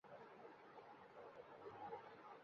اسرائیل بھی دنیا کے سامنے خو دکو مظلوم کہتا ہے۔